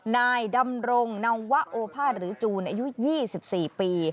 นายดำรงนวะโอภาษหรือจูนอายุ๒๔ปี